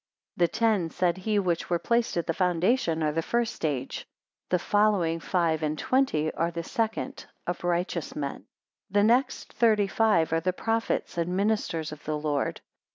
The ten, said he, which were placed at the foundation, are the first age; the following five and twenty, are the second, of righteous men. 147 The next thirty five, are the prophets and ministers of the Lord.